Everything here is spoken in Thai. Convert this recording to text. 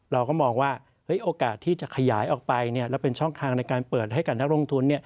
เราก็มองว่าโอกาสที่จะขยายออกไปแล้วเป็นช่องทางในการเปิดให้กับนักลงทุน